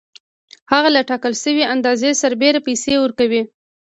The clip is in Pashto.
هغه له ټاکل شوې اندازې سربېره پیسې ورکوي